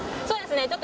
そうですね。